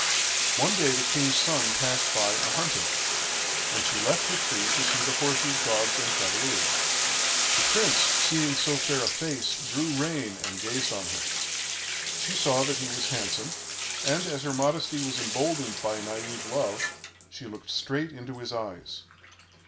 One day the king's son passed by a hunting, and she left her tree to see the horses, dogs, and cavaliers. The prince, seeing so fair a face, drew rein and gazed on her. She saw that he was handsome; and, as her modesty was emboldened by naïve love, she looked straight into his eyes.